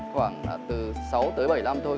khoảng là từ sáu tới bảy năm thôi